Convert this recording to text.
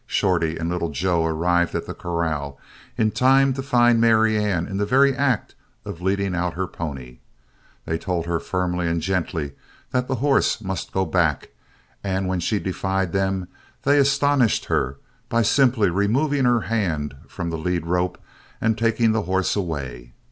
Shorty and Little Joe arrived at the corral in time to find Marianne in the very act of leading out her pony. They told her firmly and gently that the horse must go back, and when she defied them, they astonished her by simply removing her hand from the lead rope and taking the horse away.